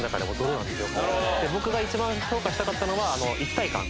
僕が一番評価したかったのはあの一体感。